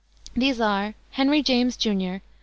These are Henry James, Jr.